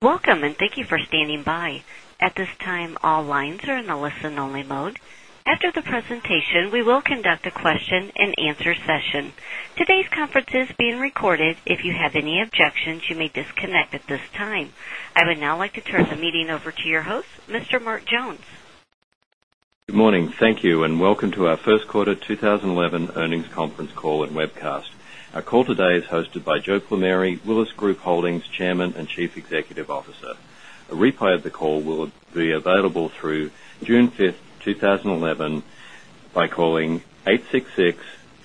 Welcome. Thank you for standing by. At this time, all lines are in a listen-only mode. After the presentation, we will conduct a question-and-answer session. Today's conference is being recorded. If you have any objections, you may disconnect at this time. I would now like to turn the meeting over to your host, Mr. Mark Jones. Good morning. Thank you. Welcome to our first quarter 2011 earnings conference call and webcast. Our call today is hosted by Joe Plumeri, Willis Group Holdings Chairman and Chief Executive Officer. A replay of the call will be available through June 5th, 2011, by calling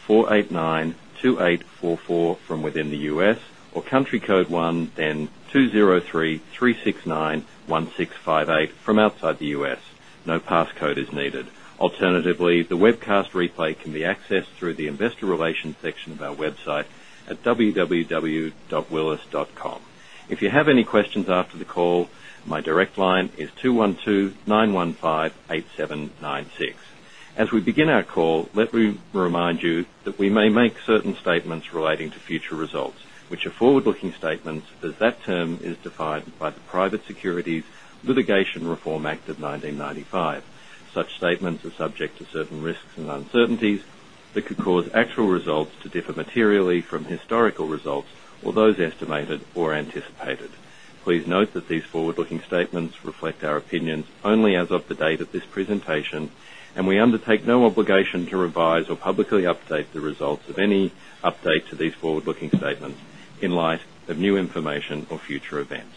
866-489-2844 from within the U.S. or country code 1. 203-369-1658 from outside the U.S. No passcode is needed. Alternatively, the webcast replay can be accessed through the investor relations section of our website at www.willis.com. If you have any questions after the call, my direct line is 212-915-8796. As we begin our call, let me remind you that we may make certain statements relating to future results, which are forward-looking statements as that term is defined by the Private Securities Litigation Reform Act of 1995. Such statements are subject to certain risks and uncertainties that could cause actual results to differ materially from historical results or those estimated or anticipated. Please note that these forward-looking statements reflect our opinions only as of the date of this presentation. We undertake no obligation to revise or publicly update the results of any update to these forward-looking statements in light of new information or future events.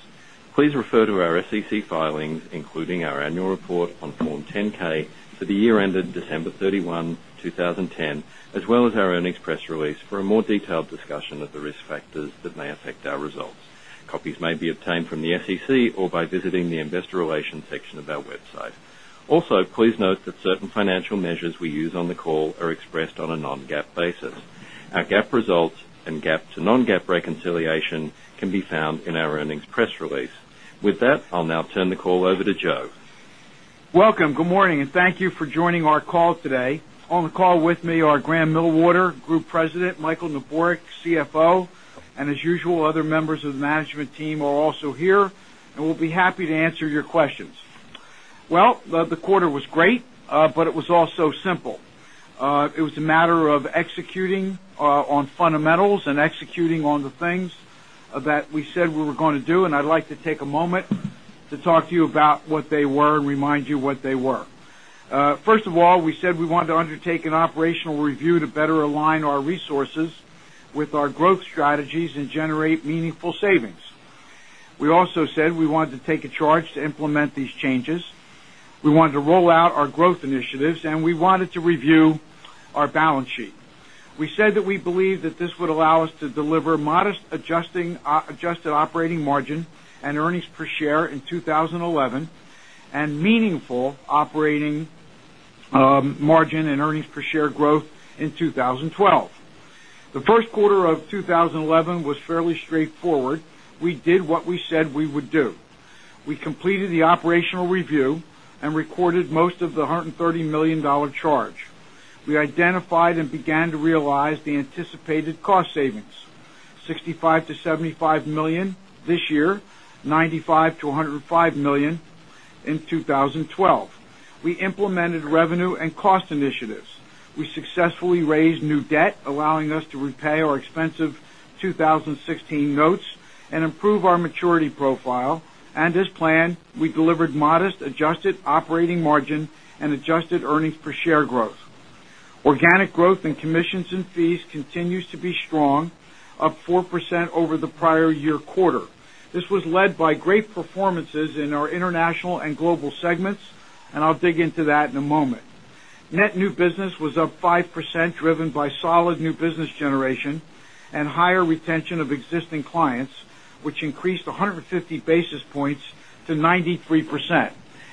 Please refer to our SEC filings, including our annual report on Form 10-K for the year ended December 31, 2010, as well as our earnings press release for a more detailed discussion of the risk factors that may affect our results. Copies may be obtained from the SEC or by visiting the investor relations section of our website. Please note that certain financial measures we use on the call are expressed on a non-GAAP basis. Our GAAP results and GAAP to non-GAAP reconciliation can be found in our earnings press release. With that, I'll now turn the call over to Joe. Welcome. Good morning and thank you for joining our call today. On the call with me are Grahame Millwater, Group President, Michael J. Neborak, CFO. As usual, other members of the management team are also here, we'll be happy to answer your questions. Well, the quarter was great, it was also simple. It was a matter of executing on fundamentals and executing on the things that we said we were going to do. I'd like to take a moment to talk to you about what they were and remind you what they were. First of all, we said we wanted to undertake an operational review to better align our resources with our growth strategies and generate meaningful savings. We also said we wanted to take a charge to implement these changes. We wanted to roll out our growth initiatives. We wanted to review our balance sheet. We said that we believe that this would allow us to deliver modest adjusted operating margin and earnings per share in 2011 and meaningful operating margin and earnings per share growth in 2012. The first quarter of 2011 was fairly straightforward. We did what we said we would do. We completed the operational review and recorded most of the $130 million charge. We identified and began to realize the anticipated cost savings, $65 million-$75 million this year, $95 million-$105 million in 2012. We implemented revenue and cost initiatives. We successfully raised new debt, allowing us to repay our expensive 2016 notes and improve our maturity profile. As planned, we delivered modest adjusted operating margin and adjusted earnings per share growth. Organic growth in commissions and fees continues to be strong, up 4% over the prior year quarter. This was led by great performances in our international and global segments. I'll dig into that in a moment. Net new business was up 5%, driven by solid new business generation and higher retention of existing clients, which increased 150 basis points to 93%.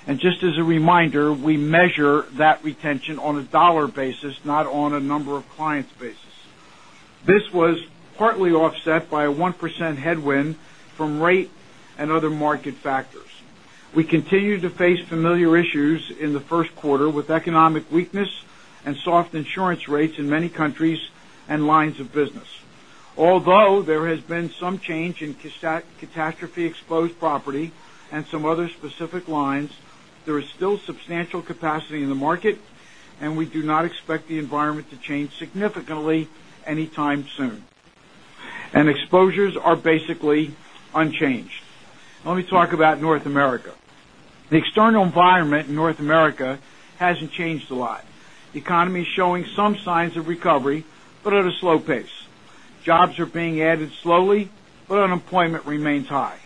Just as a reminder, we measure that retention on a dollar basis, not on a number of clients basis. This was partly offset by a 1% headwind from rate and other market factors. We continue to face familiar issues in the first quarter with economic weakness and soft insurance rates in many countries and lines of business. Although there has been some change in catastrophe-exposed property and some other specific lines, there is still substantial capacity in the market, we do not expect the environment to change significantly anytime soon. Exposures are basically unchanged. Let me talk about North America. The external environment in North America hasn't changed a lot. The economy is showing some signs of recovery at a slow pace. Jobs are being added slowly, unemployment remains high.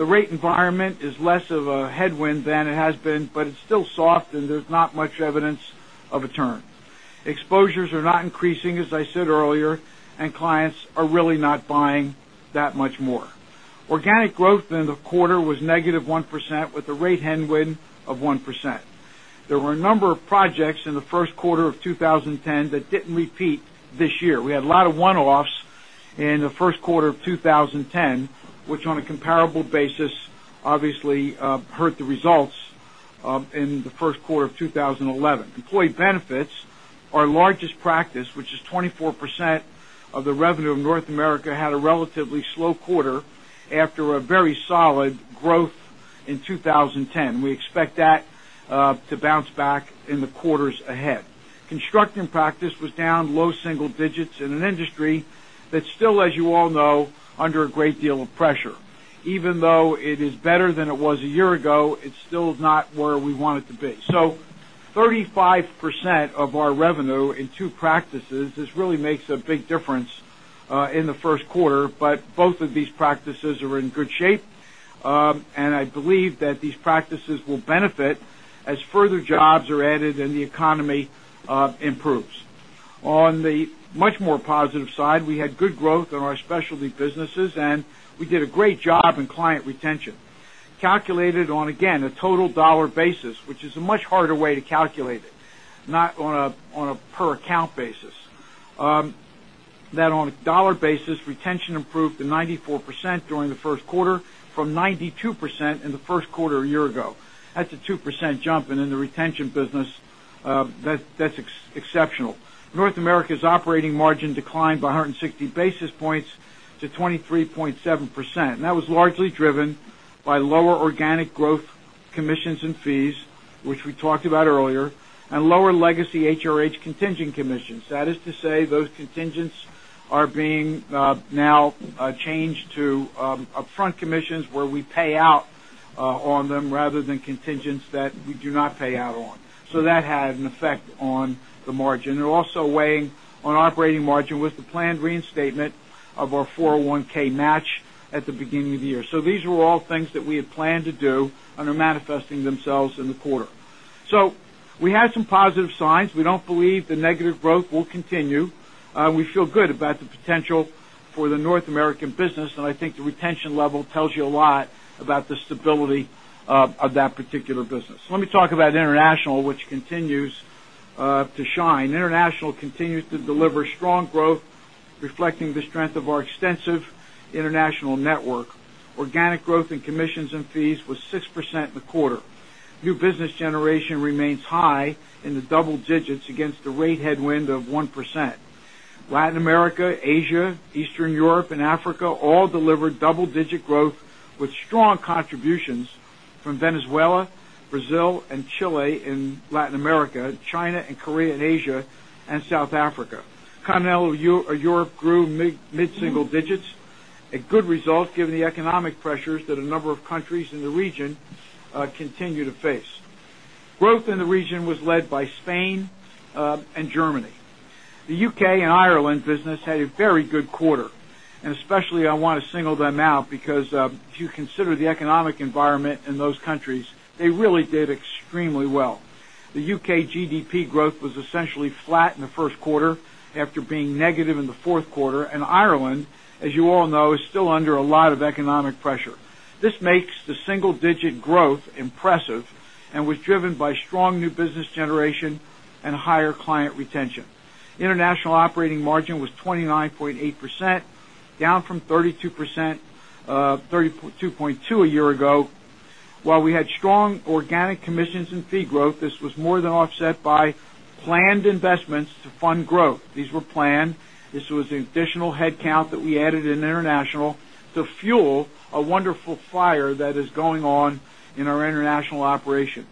The rate environment is less of a headwind than it has been, it's still soft, there's not much evidence of a turn. Exposures are not increasing, as I said earlier, clients are really not buying that much more. Organic growth in the quarter was -1% with a rate headwind of 1%. There were a number of projects in the first quarter of 2010 that didn't repeat this year. We had a lot of one-offs in the first quarter of 2010, which on a comparable basis, obviously hurt the results in the first quarter of 2011. Employee benefits, our largest practice, which is 24% of the revenue of North America, had a relatively slow quarter after a very solid growth in 2010. We expect that to bounce back in the quarters ahead. Construction practice was down low single digits in an industry that's still, as you all know, under a great deal of pressure. Even though it is better than it was a year ago, it's still not where we want it to be. 35% of our revenue in two practices, this really makes a big difference in the first quarter, but both of these practices are in good shape. I believe that these practices will benefit as further jobs are added and the economy improves. On the much more positive side, we had good growth in our specialty businesses, and we did a great job in client retention. Calculated on, again, a total dollar basis, which is a much harder way to calculate it, not on a per account basis. That on a dollar basis, retention improved to 94% during the first quarter from 92% in the first quarter a year ago. That's a 2% jump, and in the retention business, that's exceptional. North America's operating margin declined by 160 basis points to 23.7%. That was largely driven by lower organic growth commissions and fees, which we talked about earlier, and lower legacy HRH contingent commissions. That is to say, those contingents are being now changed to upfront commissions where we pay out on them rather than contingents that we do not pay out on. That had an effect on the margin. Also weighing on operating margin was the planned reinstatement of our 401(k) match at the beginning of the year. These were all things that we had planned to do and are manifesting themselves in the quarter. We had some positive signs. We don't believe the negative growth will continue. We feel good about the potential for the North American business, and I think the retention level tells you a lot about the stability of that particular business. Let me talk about international, which continues to shine. International continues to deliver strong growth, reflecting the strength of our extensive international network. Organic growth in commissions and fees was 6% in the quarter. New business generation remains high in the double digits against the rate headwind of 1%. Latin America, Asia, Eastern Europe, and Africa all delivered double-digit growth with strong contributions from Venezuela, Brazil, and Chile in Latin America, China and Korea in Asia, and South Africa. Continental Europe grew mid-single digits, a good result given the economic pressures that a number of countries in the region continue to face. Growth in the region was led by Spain and Germany. The U.K. and Ireland business had a very good quarter, and especially I want to single them out because if you consider the economic environment in those countries, they really did extremely well. The U.K. GDP growth was essentially flat in the first quarter after being negative in the fourth quarter, and Ireland, as you all know, is still under a lot of economic pressure. This makes the single-digit growth impressive and was driven by strong new business generation and higher client retention. International operating margin was 29.8%, down from 32.2% a year ago. While we had strong organic commissions and fee growth, this was more than offset by planned investments to fund growth. These were planned. This was the additional headcount that we added in international to fuel a wonderful fire that is going on in our international operation.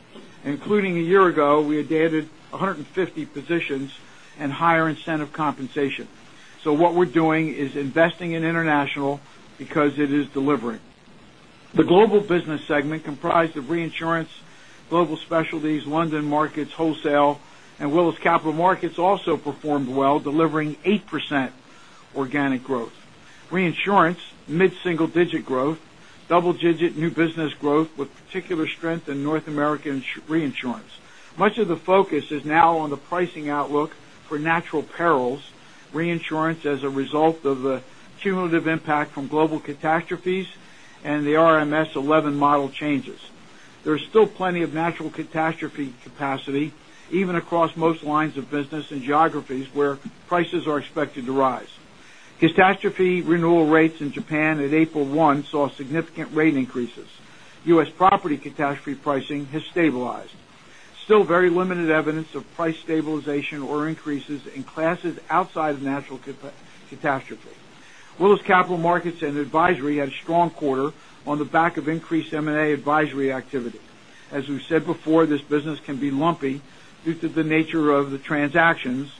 Including a year ago, we had added 150 positions and higher incentive compensation. What we're doing is investing in international because it is delivering. The global business segment comprised of reinsurance, global specialties, London markets, wholesale, and Willis Capital Markets also performed well, delivering 8% organic growth. Reinsurance, mid-single-digit growth, double-digit new business growth with particular strength in North American reinsurance. Much of the focus is now on the pricing outlook for natural perils, reinsurance as a result of the cumulative impact from global catastrophes, and the RMS 11 model changes. There is still plenty of natural catastrophe capacity, even across most lines of business and geographies where prices are expected to rise. Catastrophe renewal rates in Japan at April 1 saw significant rate increases. U.S. property catastrophe pricing has stabilized. Still very limited evidence of price stabilization or increases in classes outside of natural catastrophe. Willis Capital Markets and Advisory had a strong quarter on the back of increased M&A advisory activity. As we've said before, this business can be lumpy due to the nature of the transactions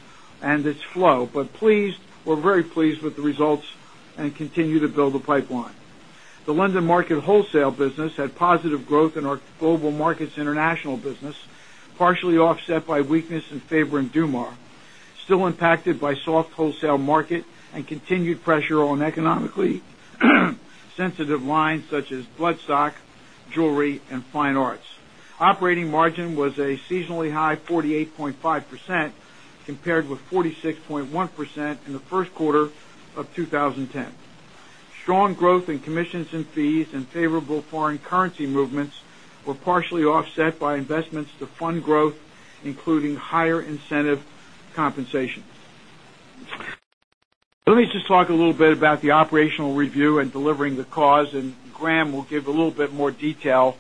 and its flow, but we're very pleased with the results and continue to build the pipeline. The London market wholesale business had positive growth in our global markets international business, partially offset by weakness in Faber & Dumas. Still impacted by soft wholesale market and continued pressure on economically sensitive lines such as bloodstock, jewelry, and fine arts. Operating margin was a seasonally high 48.5% compared with 46.1% in the first quarter of 2010. Strong growth in commissions and fees and favorable foreign currency movements were partially offset by investments to fund growth, including higher incentive compensation. Let me just talk a little bit about the operational review and delivering The Willis Cause, and Grahame will give a little bit more detail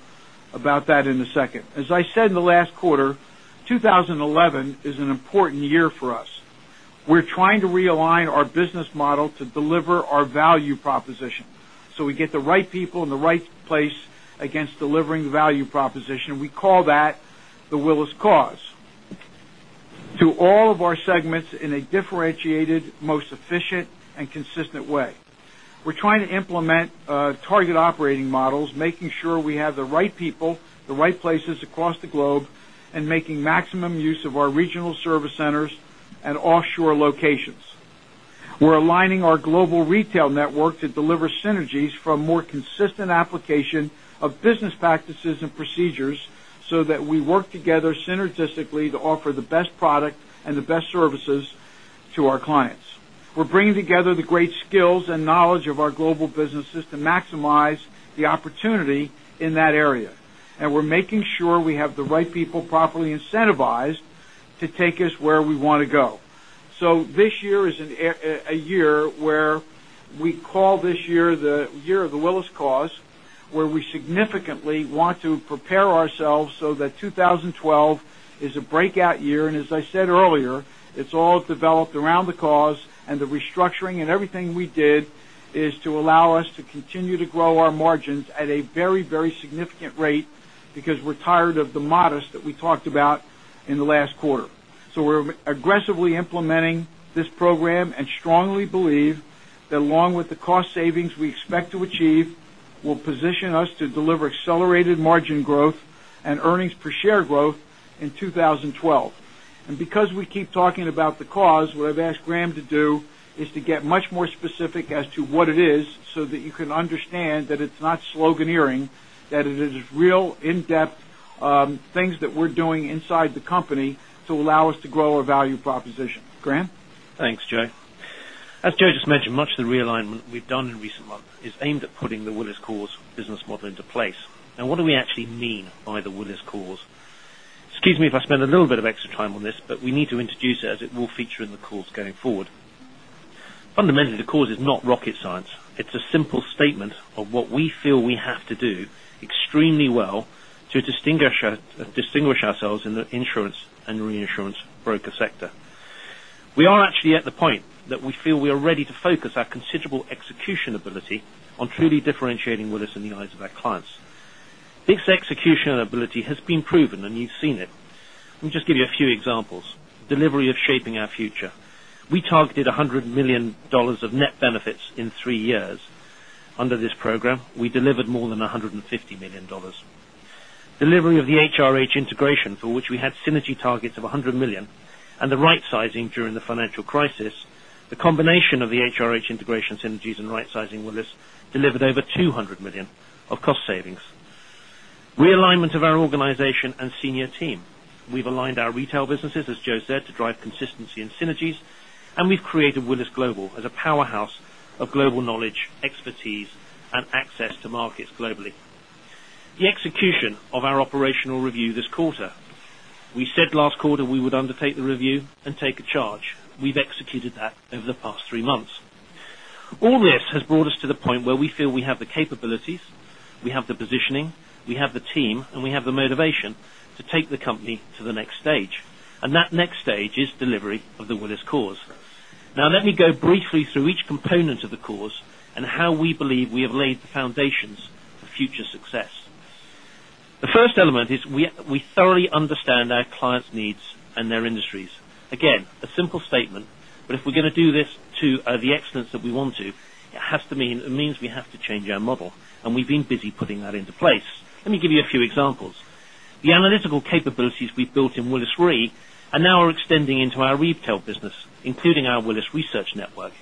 about that in a second. As I said in the last quarter, 2011 is an important year for us. We're trying to realign our business model to deliver our value proposition, so we get the right people in the right place against delivering the value proposition. We call that The Willis Cause. To all of our segments in a differentiated, most efficient, and consistent way. We're trying to implement target operating models, making sure we have the right people, the right places across the globe, and making maximum use of our regional service centers and offshore locations. We're aligning our global retail network to deliver synergies for a more consistent application of business practices and procedures so that we work together synergistically to offer the best product and the best services to our clients. We're bringing together the great skills and knowledge of our global businesses to maximize the opportunity in that area. We're making sure we have the right people properly incentivized to take us where we want to go. This year is a year where we call this year the year of The Willis Cause, where we significantly want to prepare ourselves so that 2012 is a breakout year. As I said earlier, it's all developed around The Willis Cause and the restructuring and everything we did is to allow us to continue to grow our margins at a very significant rate because we're tired of the modest that we talked about in the last quarter. We're aggressively implementing this program and strongly believe that along with the cost savings we expect to achieve, will position us to deliver accelerated margin growth and earnings per share growth in 2012. Because we keep talking about The Willis Cause, what I've asked Grahame to do is to get much more specific as to what it is so that you can understand that it's not sloganeering, that it is real in-depth things that we're doing inside the company to allow us to grow our value proposition. Grahame? Thanks, Joe. As Joe just mentioned, much of the realignment we've done in recent months is aimed at putting The Willis Cause business model into place. What do we actually mean by The Willis Cause? Excuse me if I spend a little bit of extra time on this, but we need to introduce it as it will feature in the course going forward. Fundamentally, The Willis Cause is not rocket science. It's a simple statement of what we feel we have to do extremely well to distinguish ourselves in the insurance and reinsurance broker sector. We are actually at the point that we feel we are ready to focus our considerable execution ability on truly differentiating Willis in the eyes of our clients. This execution ability has been proven, and you've seen it. Let me just give you a few examples. Delivery of Shaping Our Future. We targeted $100 million of net benefits in three years. Under this program, we delivered more than $150 million. Delivery of the HRH integration, for which we had synergy targets of $100 million, and the rightsizing during the financial crisis. The combination of the HRH integration synergies and rightsizing Willis delivered over $200 million of cost savings. Realignment of our organization and senior team. We've aligned our retail businesses, as Joe said, to drive consistency and synergies, and we've created Willis Global as a powerhouse of global knowledge, expertise, and access to markets globally. Execution of our operational review this quarter. We said last quarter we would undertake the review and take charge. We've executed that over the past three months. All this has brought us to the point where we feel we have the capabilities, we have the positioning, we have the team, and we have the motivation to take the company to the next stage. That next stage is delivery of The Willis Cause. Let me go briefly through each component of The Willis Cause and how we believe we have laid the foundations for future success. The first element is we thoroughly understand our clients' needs and their industries. Again, a simple statement, but if we're going to do this to the excellence that we want to, it means we have to change our model, and we've been busy putting that into place. Let me give you a few examples. The analytical capabilities we built in Willis Re are now extending into our retail business, including our Willis Research Network.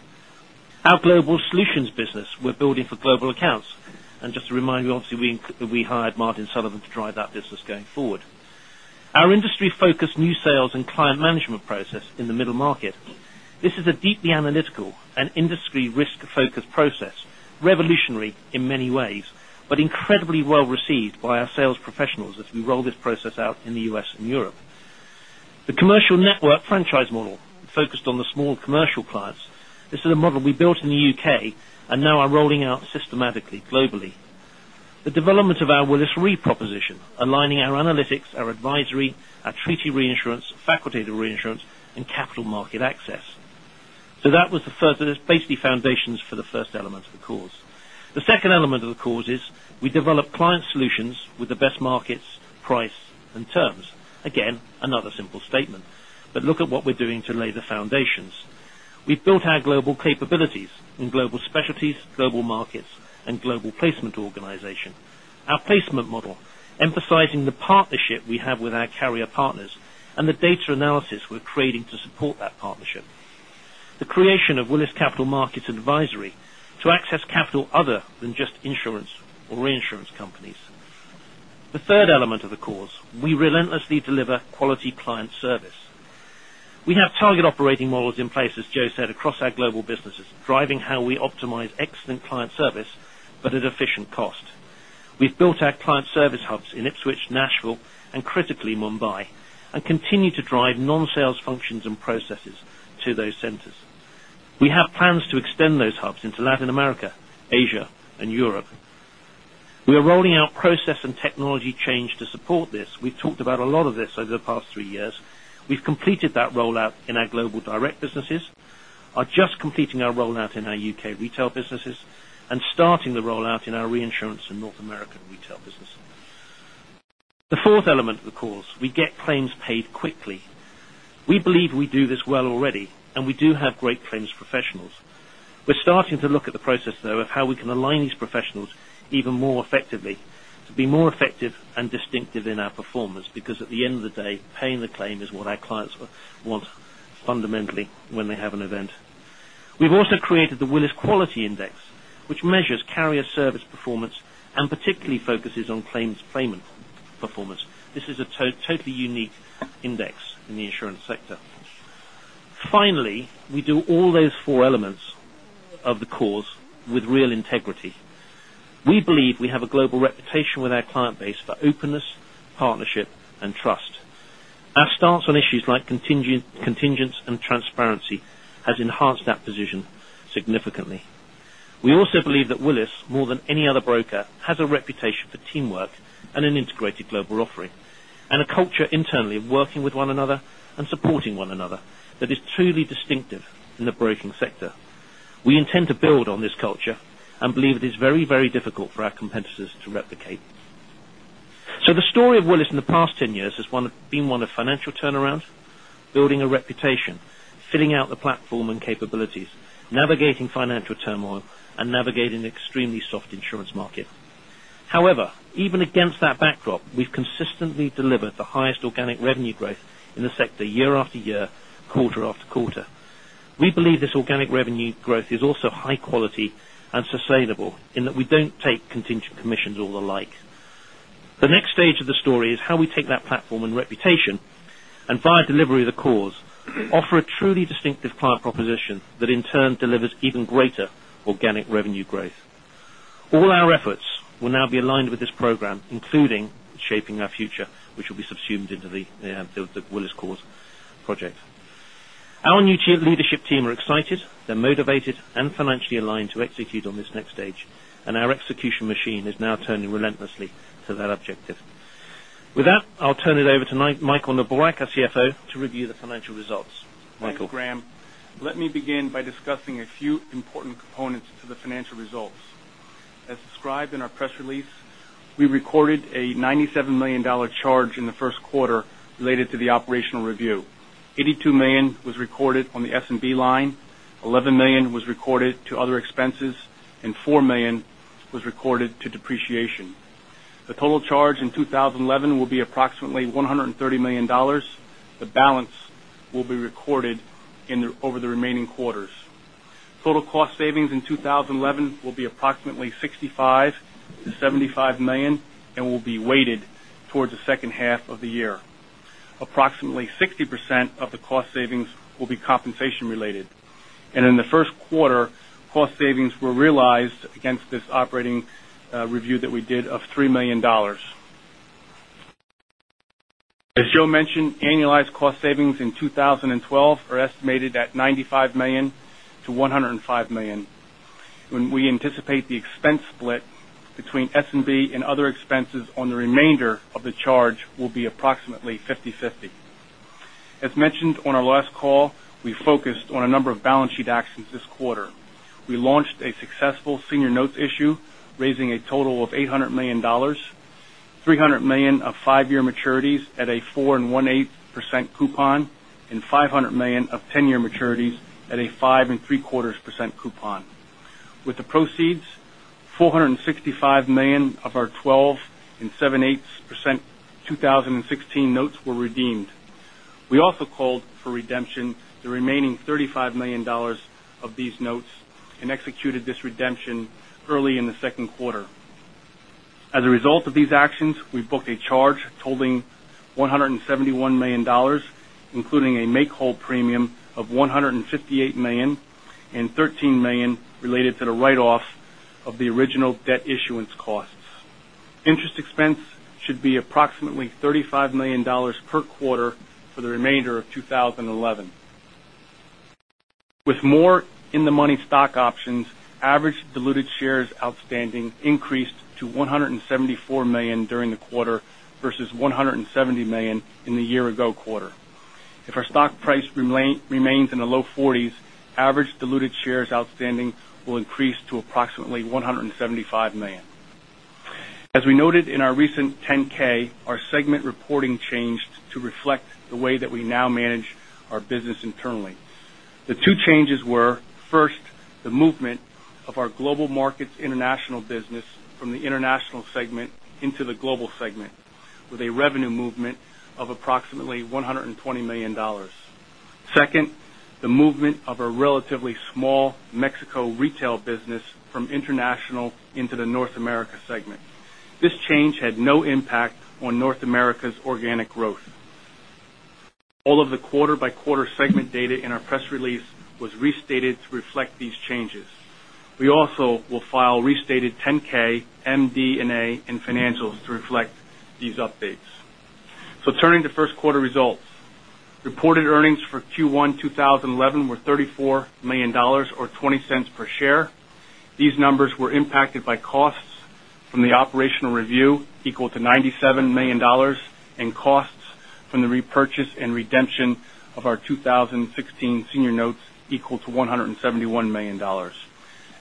Our global solutions business we're building for global accounts. Just to remind you, obviously, we hired Martin Sullivan to drive that business going forward. Our industry-focused new sales and client management process in the middle market. This is a deeply analytical and industry risk-focused process, revolutionary in many ways, but incredibly well-received by our sales professionals as we roll this process out in the U.S. and Europe. The commercial network franchise model focused on the small commercial clients. This is a model we built in the U.K. and now are rolling out systematically globally. The development of our Willis Re proposition, aligning our analytics, our advisory, our treaty reinsurance, facultative reinsurance, and capital market access. That was basically foundations for the first element of The Willis Cause. The second element of The Willis Cause is we develop client solutions with the best markets, price, and terms. Again, another simple statement. Look at what we're doing to lay the foundations. We've built our global capabilities in global specialties, global markets, and global placement organization. Our placement model, emphasizing the partnership we have with our carrier partners and the data analysis we're creating to support that partnership. The creation of Willis Capital Markets & Advisory to access capital other than just insurance or reinsurance companies. The third element of The Willis Cause, we relentlessly deliver quality client service. We have target operating models in place, as Joe said, across our global businesses, driving how we optimize excellent client service, but at efficient cost. We've built our client service hubs in Ipswich, Nashville, and critically, Mumbai, and continue to drive non-sales functions and processes to those centers. We have plans to extend those hubs into Latin America, Asia, and Europe. We are rolling out process and technology change to support this. We've talked about a lot of this over the past three years. We've completed that rollout in our global direct businesses, are just completing our rollout in our U.K. retail businesses, and starting the rollout in our reinsurance in North American retail businesses. The fourth element of The Willis Cause, we get claims paid quickly. We believe we do this well already, and we do have great claims professionals. We're starting to look at the process, though, of how we can align these professionals even more effectively to be more effective and distinctive in our performance, because at the end of the day, paying the claim is what our clients want fundamentally when they have an event. We've also created the Willis Quality Index, which measures carrier service performance and particularly focuses on claims payment performance. This is a totally unique index in the insurance sector. Finally, we do all those four elements of The Willis Cause with real integrity. We believe we have a global reputation with our client base for openness, partnership, and trust. Our stance on issues like contingents and transparency has enhanced that position significantly. We also believe that Willis, more than any other broker, has a reputation for teamwork and an integrated global offering, and a culture internally of working with one another and supporting one another that is truly distinctive in the broking sector. We intend to build on this culture and believe it is very difficult for our competitors to replicate. The story of Willis in the past 10 years has been one of financial turnaround, building a reputation, filling out the platform and capabilities, navigating financial turmoil, and navigating an extremely soft insurance market. However, even against that backdrop, we've consistently delivered the highest organic revenue growth in the sector year after year, quarter after quarter. We believe this organic revenue growth is also high quality and sustainable, in that we don't take contingent commissions or the like. The next stage of the story is how we take that platform and reputation and, via delivery of The Cause, offer a truly distinctive client proposition that in turn delivers even greater organic revenue growth. All our efforts will now be aligned with this program, including Shaping Our Future, which will be subsumed into The Willis Cause project. Our new leadership team are excited, they're motivated and financially aligned to execute on this next stage, and our execution machine is now turning relentlessly to that objective. With that, I'll turn it over to Michael Neborak, our CFO, to review the financial results. Michael. Thank you, Grahame. Let me begin by discussing a few important components to the financial results. As described in our press release, we recorded a $97 million charge in the first quarter related to the operational review. $82 million was recorded on the S&B line, $11 million was recorded to other expenses, and $4 million was recorded to depreciation. The total charge in 2011 will be approximately $130 million. The balance will be recorded over the remaining quarters. Total cost savings in 2011 will be approximately $65 million-$75 million and will be weighted towards the second half of the year. Approximately 60% of the cost savings will be compensation related, and in the first quarter, cost savings were realized against this operating review that we did of $3 million. As Joe mentioned, annualized cost savings in 2012 are estimated at $95 million-$105 million. When we anticipate the expense split between S&B and other expenses on the remainder of the charge will be approximately 50/50. As mentioned on our last call, we focused on a number of balance sheet actions this quarter. We launched a successful senior notes issue, raising a total of $800 million, $300 million of 5-year maturities at a 4.18% coupon, and $500 million of 10-year maturities at a 5.75% coupon. With the proceeds, $465 million of our 12.75% 2016 notes were redeemed. We also called for redemption the remaining $35 million of these notes and executed this redemption early in the second quarter. As a result of these actions, we've booked a charge totaling $171 million, including a make-whole premium of $158 million and $13 million related to the write-off of the original debt issuance costs. Interest expense should be approximately $35 million per quarter for the remainder of 2011. With more in-the-money stock options, average diluted shares outstanding increased to 174 million during the quarter versus 170 million in the year ago quarter. If our stock price remains in the low 40s, average diluted shares outstanding will increase to approximately 175 million. As we noted in our recent 10-K, our segment reporting changed to reflect the way that we now manage our business internally. The two changes were, first, the movement of our global markets international business from the international segment into the global segment, with a revenue movement of approximately $120 million. Second, the movement of a relatively small Mexico retail business from international into the North America segment. This change had no impact on North America's organic growth. All of the quarter-by-quarter segment data in our press release was restated to reflect these changes. We also will file restated 10-K, MD&A, and financials to reflect these updates. Turning to first quarter results. Reported earnings for Q1 2011 were $34 million, or $0.20 per share. These numbers were impacted by costs from the operational review equal to $97 million and costs from the repurchase and redemption of our 2016 senior notes equal to $171 million.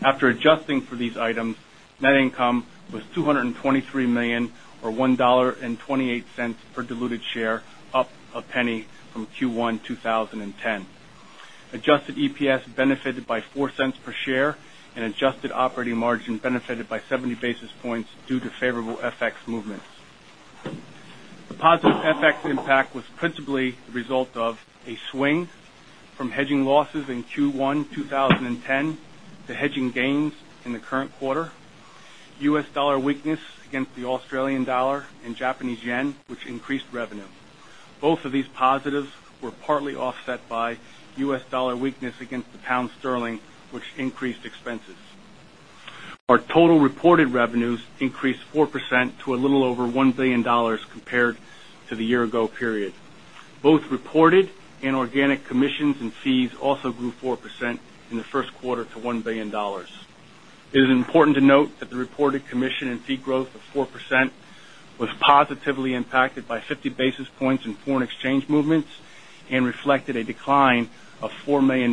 After adjusting for these items, net income was $223 million, or $1.28 per diluted share, up $0.01 from Q1 2010. Adjusted EPS benefited by $0.04 per share, and adjusted operating margin benefited by 70 basis points due to favorable FX movements. The positive FX impact was principally the result of a swing from hedging losses in Q1 2010 to hedging gains in the current quarter, U.S. dollar weakness against the Australian dollar and Japanese yen, which increased revenue. Both of these positives were partly offset by U.S. dollar weakness against the pound sterling, which increased expenses. Our total reported revenues increased 4% to a little over $1 billion compared to the year ago period. Both reported and organic commissions and fees also grew 4% in the first quarter to $1 billion. It is important to note that the reported commission and fee growth of 4% was positively impacted by 50 basis points in foreign exchange movements and reflected a decline of $4 million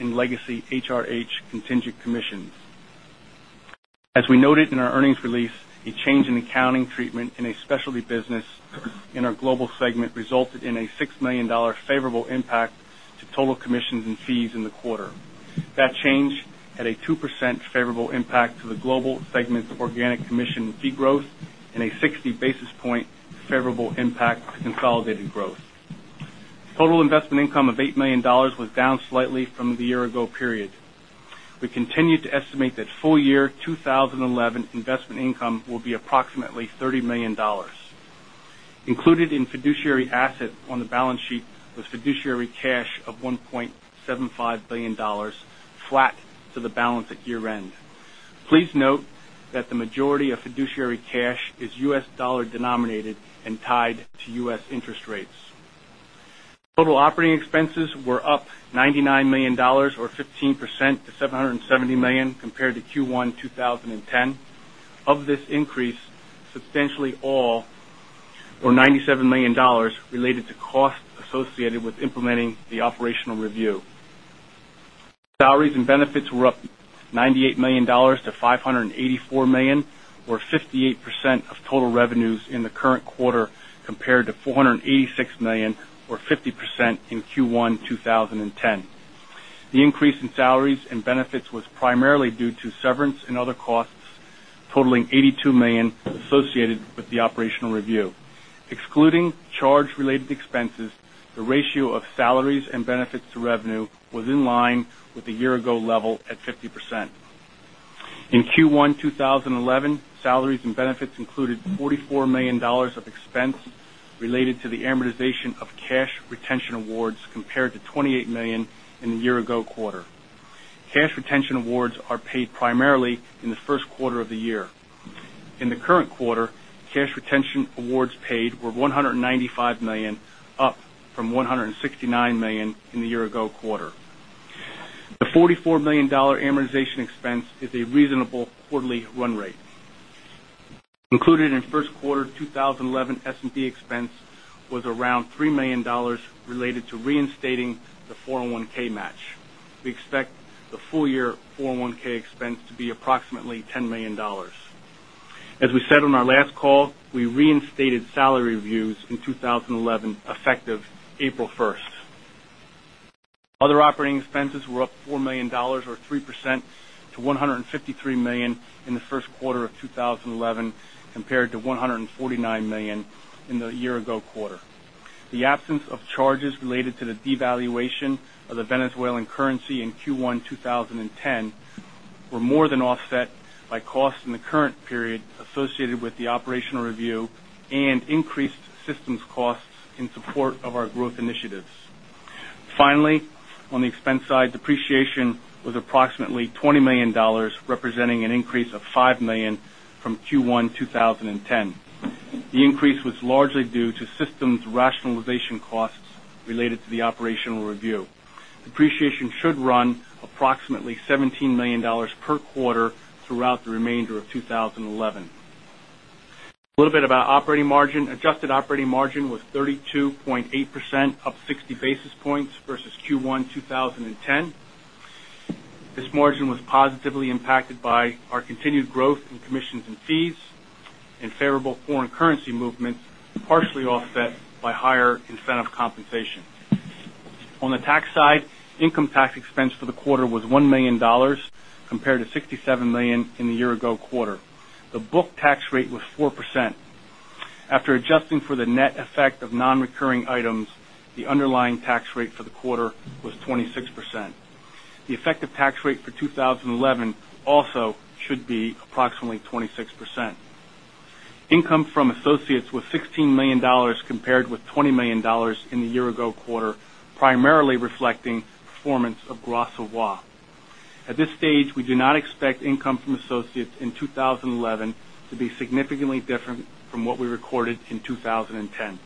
in legacy HRH contingent commissions. As we noted in our earnings release, a change in accounting treatment in a specialty business in our Global segment resulted in a $6 million favorable impact to total commissions and fees in the quarter. That change had a 2% favorable impact to the Global segment organic commission fee growth and a 60 basis point favorable impact to consolidated growth. Total investment income of $8 million was down slightly from the year ago period. We continue to estimate that full year 2011 investment income will be approximately $30 million. Included in fiduciary asset on the balance sheet was fiduciary cash of $1.75 billion, flat to the balance at year-end. Please note that the majority of fiduciary cash is U.S. dollar denominated and tied to U.S. interest rates. Total operating expenses were up $99 million or 15% to $770 million compared to Q1 2010. Of this increase, substantially all, or $97 million, related to costs associated with implementing the operational review. Salaries and benefits were up $98 million to $584 million, or 58% of total revenues in the current quarter, compared to $486 million or 50% in Q1 2010. The increase in salaries and benefits was primarily due to severance and other costs totaling $82 million associated with the operational review. Excluding charge-related expenses, the ratio of salaries and benefits to revenue was in line with the year ago level at 50%. In Q1 2011, salaries and benefits included $44 million of expense related to the amortization of cash retention awards, compared to $28 million in the year ago quarter. Cash retention awards are paid primarily in the first quarter of the year. In the current quarter, cash retention awards paid were $195 million, up from $169 million in the year ago quarter. The $44 million amortization expense is a reasonable quarterly run rate. Included in first quarter 2011 S&B expense was around $3 million related to reinstating the 401(k) match. We expect the full year 401(k) expense to be approximately $10 million. As we said on our last call, we reinstated salary reviews in 2011, effective April 1st. Other operating expenses were up $4 million or 3% to $153 million in the first quarter of 2011, compared to $149 million in the year-ago quarter. The absence of charges related to the devaluation of the Venezuelan currency in Q1 2010 were more than offset by costs in the current period associated with the operational review and increased systems costs in support of our growth initiatives. Finally, on the expense side, depreciation was approximately $20 million, representing an increase of $5 million from Q1 2010. The increase was largely due to systems rationalization costs related to the operational review. Depreciation should run approximately $17 million per quarter throughout the remainder of 2011. A little bit about operating margin. Adjusted operating margin was 32.8%, up 60 basis points versus Q1 2010. This margin was positively impacted by our continued growth in commissions and fees and favorable foreign currency movements, partially offset by higher incentive compensation. On the tax side, income tax expense for the quarter was $1 million, compared to $67 million in the year-ago quarter. The book tax rate was 4%. After adjusting for the net effect of non-recurring items, the underlying tax rate for the quarter was 26%. The effective tax rate for 2011 also should be approximately 26%. Income from associates was $16 million compared with $20 million in the year-ago quarter, primarily reflecting performance of Gras Savoye. At this stage, we do not expect income from associates in 2011 to be significantly different from what we recorded in 2010.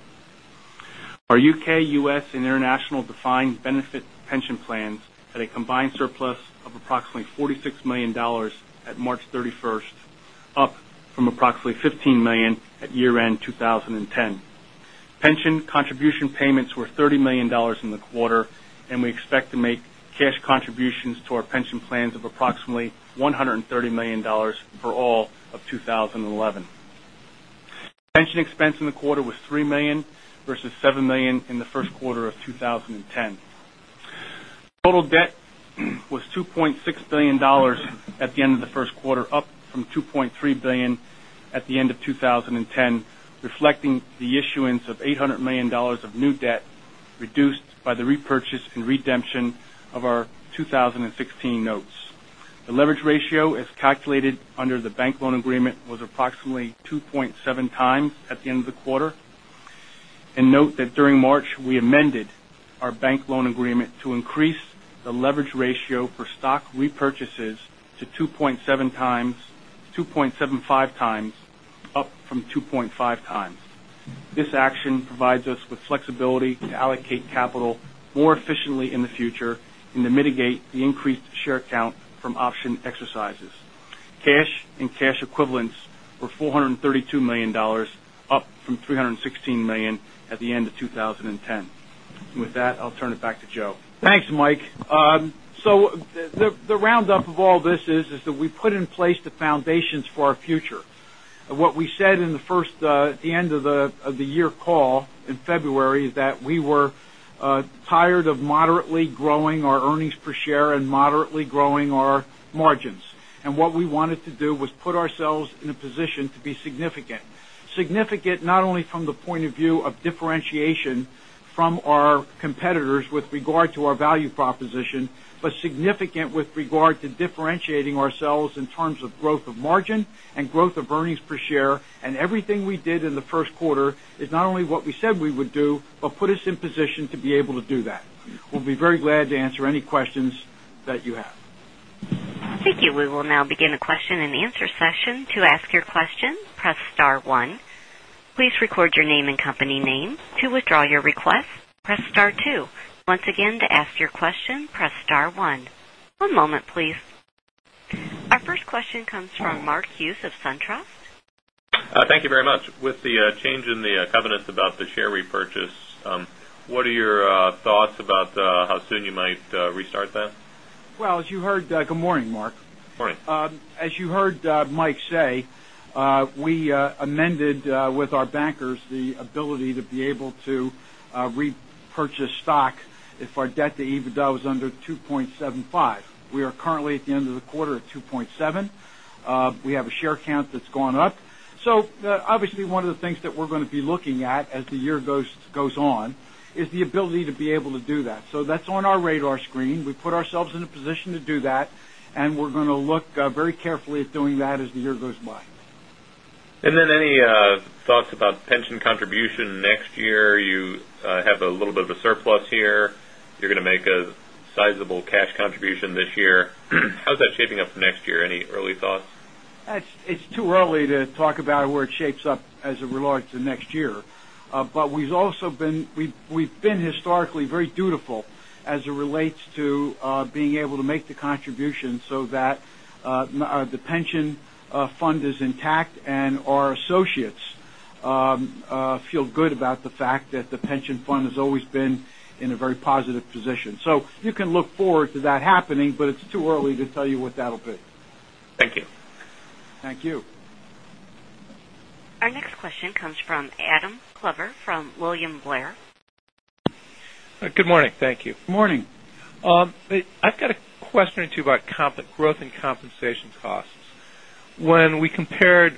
Our U.K., U.S., and international defined benefit pension plans had a combined surplus of approximately $46 million at March 31st, up from approximately $15 million at year-end 2010. Pension contribution payments were $30 million in the quarter. We expect to make cash contributions to our pension plans of approximately $130 million for all of 2011. Pension expense in the quarter was $3 million, versus $7 million in the first quarter of 2010. Total debt was $2.6 billion at the end of the first quarter, up from $2.3 billion at the end of 2010, reflecting the issuance of $800 million of new debt, reduced by the repurchase and redemption of our 2016 notes. The leverage ratio, as calculated under the bank loan agreement, was approximately 2.7 times at the end of the quarter. Note that during March, we amended our bank loan agreement to increase the leverage ratio for stock repurchases to 2.75 times, up from 2.5 times. This action provides us with flexibility to allocate capital more efficiently in the future and to mitigate the increased share count from option exercises. Cash and cash equivalents were $432 million, up from $316 million at the end of 2010. With that, I'll turn it back to Joe. Thanks, Michael. The roundup of all this is that we've put in place the foundations for our future. What we said at the end of the year call in February is that we were tired of moderately growing our earnings per share and moderately growing our margins. What we wanted to do was put ourselves in a position to be significant. Significant, not only from the point of view of differentiation from our competitors with regard to our value proposition, but significant with regard to differentiating ourselves in terms of growth of margin and growth of earnings per share. Everything we did in the first quarter is not only what we said we would do, but put us in position to be able to do that. We'll be very glad to answer any questions that you have. Thank you. We will now begin the question and answer session. To ask your question, press star one. Please record your name and company name. To withdraw your request, press star two. Once again, to ask your question, press star one. One moment please. Our first question comes from Mark Hughes of SunTrust. Thank you very much. With the change in the covenants about the share repurchase, what are your thoughts about how soon you might restart that? Well, good morning, Mark. Morning. As you heard Mike say, we amended with our bankers the ability to be able to repurchase stock if our debt to EBITDA was under 2.75. We are currently at the end of the quarter at 2.7. We have a share count that's gone up. Obviously, one of the things that we're going to be looking at as the year goes on is the ability to be able to do that. That's on our radar screen. We've put ourselves in a position to do that, and we're going to look very carefully at doing that as the year goes by. Any thoughts about pension contribution next year? You have a little bit of a surplus here. You're going to make a sizable cash contribution this year. How's that shaping up for next year? Any early thoughts? It's too early to talk about where it shapes up as it relates to next year. We've been historically very dutiful as it relates to being able to make the contribution so that the pension fund is intact and our associates feel good about the fact that the pension fund has always been in a very positive position. You can look forward to that happening, but it's too early to tell you what that'll be. Thank you. Thank you. Our next question comes from Adam Klauber from William Blair. Good morning. Thank you. Morning. I've got a question or two about growth in compensation costs. When we compared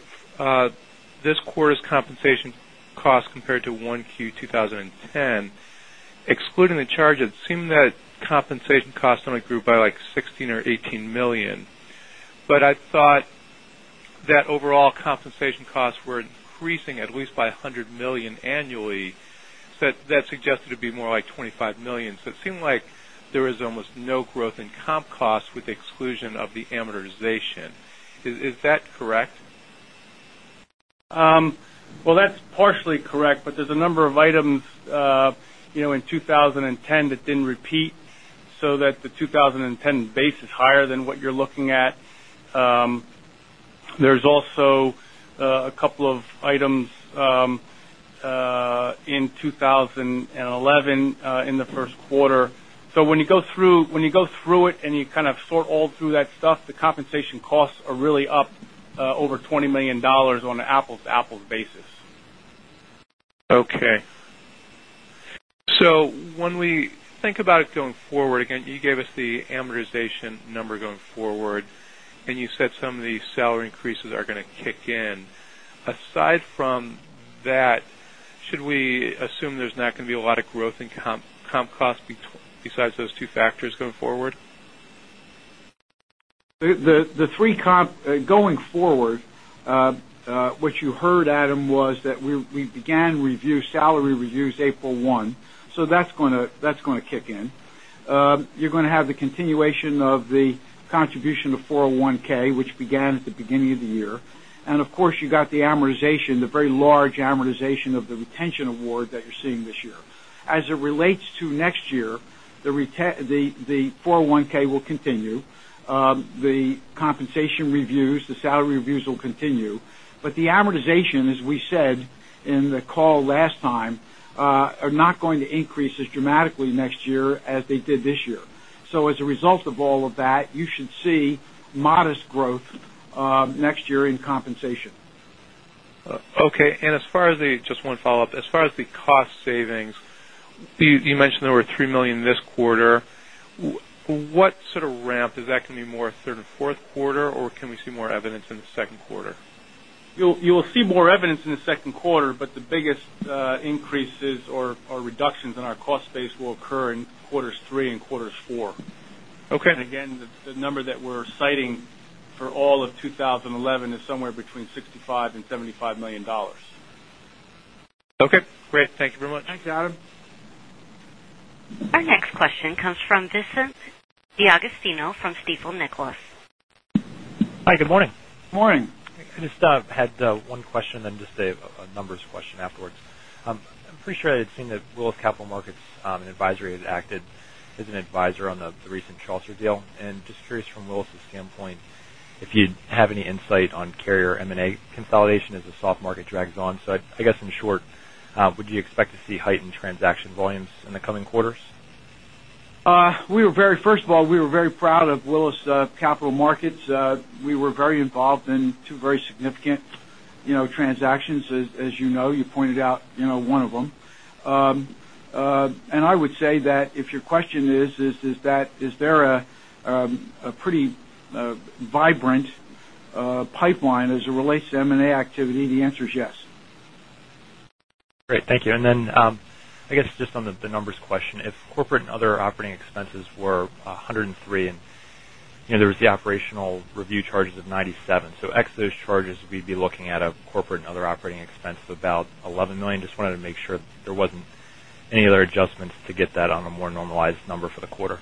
this quarter's compensation cost compared to 1Q 2010, excluding the charge, it seemed that compensation costs only grew by $16 million or $18 million. I thought that overall compensation costs were increasing at least by $100 million annually. That suggested to be more like $25 million. It seemed like there was almost no growth in comp costs with exclusion of the amortization. Is that correct? Well, that's partially correct, but there's a number of items in 2010 that didn't repeat, so that the 2010 base is higher than what you're looking at. There's also a couple of items in 2011 in the first quarter. When you go through it and you sort all through that stuff, the compensation costs are really up over $20 million on an apples-to-apples basis. Okay. When we think about it going forward, again, you gave us the amortization number going forward, and you said some of these salary increases are going to kick in. Aside from that, should we assume there's not going to be a lot of growth in comp cost besides those two factors going forward? The three comp, going forward, what you heard, Adam, was that we began salary reviews April 1. That's going to kick in. You're going to have the continuation of the contribution to 401(k), which began at the beginning of the year. Of course, you got the amortization, the very large amortization of the retention award that you're seeing this year. As it relates to next year, the 401(k) will continue. The compensation reviews, the salary reviews will continue. The amortization, as we said in the call last time, are not going to increase as dramatically next year as they did this year. As a result of all of that, you should see modest growth next year in compensation. Okay. Just one follow-up. As far as the cost savings, you mentioned there were $3 million this quarter. What sort of ramp, is that going to be more third and fourth quarter, or can we see more evidence in the second quarter? You'll see more evidence in the second quarter, the biggest increases or reductions in our cost base will occur in quarters three and quarters four. Okay. Again, the number that we're citing for all of 2011 is somewhere between $65 and $75 million. Okay, great. Thank you very much. Thanks, Adam. Our next question comes from Vincent D'Agostino from Stifel Nicolaus. Hi, good morning. Morning. I just had one question, then just a numbers question afterwards. I'm pretty sure I had seen that Willis Capital Markets & Advisory had acted as an advisor on the recent Chaucer deal. Just curious from Willis's standpoint, if you have any insight on carrier M&A consolidation as the soft market drags on. I guess in short, would you expect to see heightened transaction volumes in the coming quarters? First of all, we were very proud of Willis Capital Markets. We were very involved in two very significant transactions, as you know. You pointed out one of them. I would say that if your question is there a pretty vibrant pipeline as it relates to M&A activity? The answer is yes. Great. Thank you. I guess just on the numbers question, if Corporate and Other Operating Expenses were $103, and there was the Operational Review Charges of $97. Ex those charges, we'd be looking at a Corporate and Other Operating Expense of about $11 million. Just wanted to make sure there wasn't any other adjustments to get that on a more normalized number for the quarter.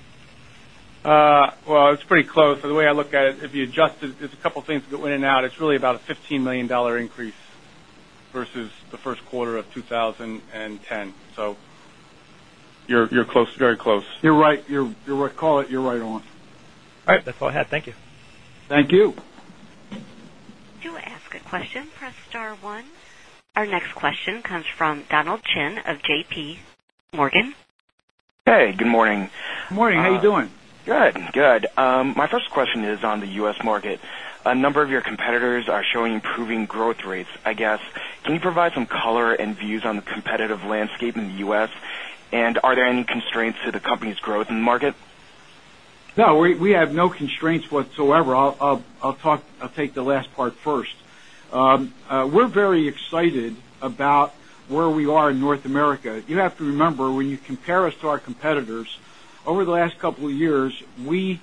Well, it's pretty close. The way I look at it, if you adjust it, there's a couple of things that went in and out. It's really about a $15 million increase versus the first quarter of 2010. You're close, very close. You're right. Call it, you're right on. All right. That's all I had. Thank you. Thank you. To ask a question, press star one. Our next question comes from Brian Chin of J.P. Morgan. Hey, good morning. Morning. How you doing? Good. My first question is on the U.S. market. A number of your competitors are showing improving growth rates. I guess, can you provide some color and views on the competitive landscape in the U.S., and are there any constraints to the company's growth in the market? No, we have no constraints whatsoever. I'll take the last part first. We're very excited about where we are in North America. You have to remember, when you compare us to our competitors, over the last couple of years, we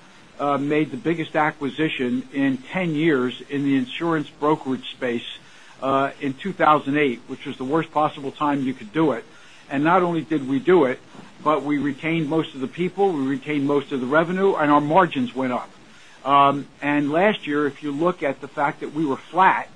made the biggest acquisition in 10 years in the insurance brokerage space, in 2008, which was the worst possible time you could do it. Not only did we do it, but we retained most of the people, we retained most of the revenue, and our margins went up. Last year, if you look at the fact that we were flat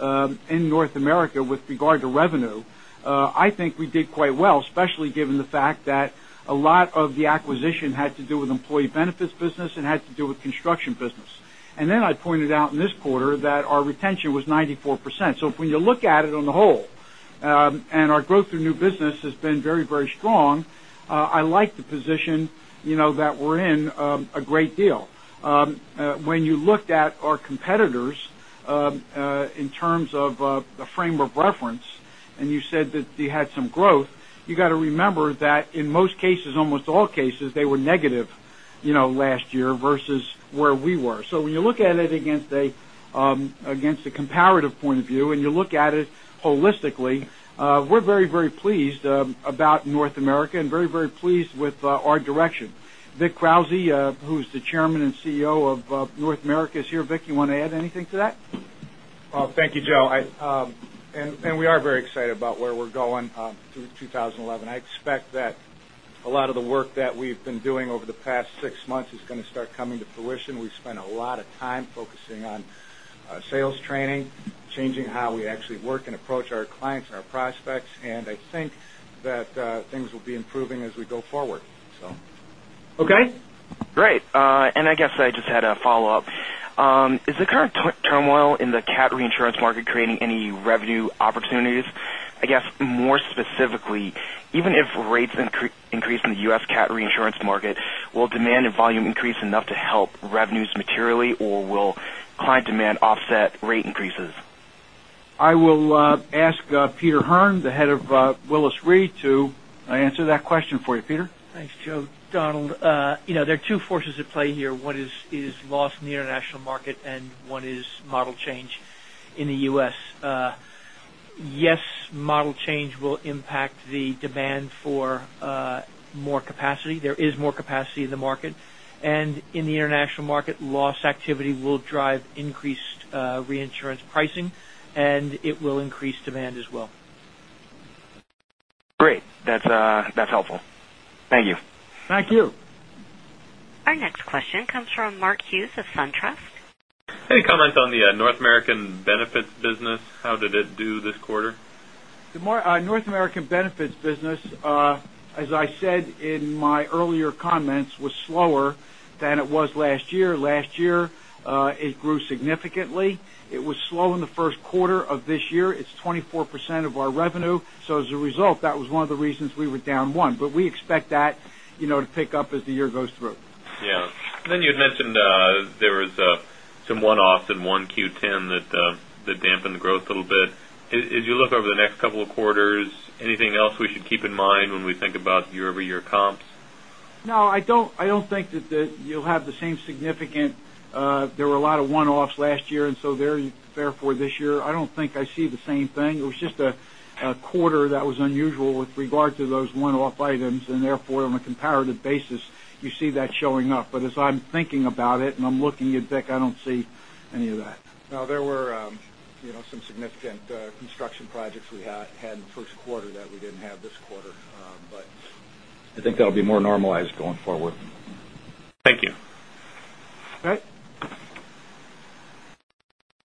in North America with regard to revenue, I think we did quite well, especially given the fact that a lot of the acquisition had to do with employee benefits business and had to do with construction business. I pointed out in this quarter that our retention was 94%. When you look at it on the whole, and our growth through new business has been very strong, I like the position that we're in a great deal. When you looked at our competitors in terms of the frame of reference, and you said that they had some growth, you got to remember that in most cases, almost all cases, they were negative last year versus where we were. When you look at it against a comparative point of view and you look at it holistically, we're very pleased about North America and very pleased with our direction. Vic Krause, who's the Chairman and Chief Executive Officer of North America, is here. Vic, you want to add anything to that? Thank you, Joe. We are very excited about where we're going through 2011. I expect that a lot of the work that we've been doing over the past six months is going to start coming to fruition. We've spent a lot of time focusing on sales training, changing how we actually work and approach our clients and our prospects. I think that things will be improving as we go forward. Okay. Great. I guess I just had a follow-up. Is the current turmoil in the cat reinsurance market creating any revenue opportunities? I guess more specifically, even if rates increase in the U.S. cat reinsurance market, will demand and volume increase enough to help revenues materially, or will client demand offset rate increases? I will ask Peter Hearn, the head of Willis Re, to answer that question for you. Peter? Thanks, Joe. Brian, there are two forces at play here. One is loss in the international market and one is model change in the U.S. Yes, model change will impact the demand for more capacity. There is more capacity in the market. In the international market, loss activity will drive increased reinsurance pricing, and it will increase demand as well. Great. That's helpful. Thank you. Thank you. Our next question comes from Mark Hughes of SunTrust. Any comment on the North American benefits business? How did it do this quarter? The North American benefits business, as I said in my earlier comments, was slower than it was last year. Last year, it grew significantly. It was slow in the first quarter of this year. It's 24% of our revenue. As a result, that was one of the reasons we were down one. We expect that to pick up as the year goes through. Yeah. You had mentioned there was some one-offs in 1Q10 that dampened the growth a little bit. As you look over the next couple of quarters, anything else we should keep in mind when we think about year-over-year comps? No, I don't think that you'll have the same. There were a lot of one-offs last year, therefore this year, I don't think I see the same thing. It was just a quarter that was unusual with regard to those one-off items, and therefore, on a comparative basis, you see that showing up. As I'm thinking about it and I'm looking at Vic, I don't see any of that. No, there were some significant construction projects we had in the first quarter that we didn't have this quarter. I think that'll be more normalized going forward. Thank you. All right.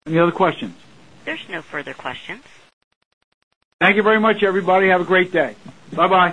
Any other questions? There's no further questions. Thank you very much, everybody. Have a great day. Bye-bye